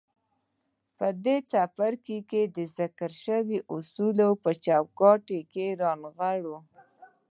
په دې څپرکي کې د ذکر شويو اصولو په چوکاټ کې يې رانغاړو.